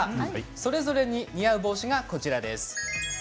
それぞれに似合った帽子がこちらです。